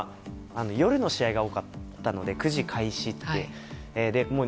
夜の試合が多かったので９時開始っていう。